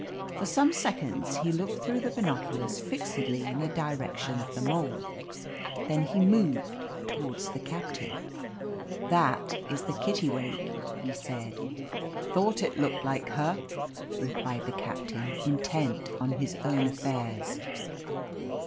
For some seconds he looked through the binoculars fixedly in the direction of the Mole. Then he moved towards the captain. "That is the Kittiwake," he said. "Thought it looked like her!" replied the captain, intent on his own affairs.